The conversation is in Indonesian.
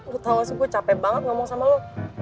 gue tau gak sih gue capek banget ngomong sama lo